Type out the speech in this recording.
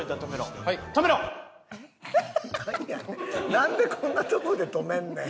なんでこんなとこで止めんねん。